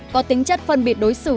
có tính chất phân biệt đối xử